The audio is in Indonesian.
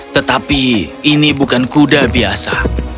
tetapi ini bukan kuda biasa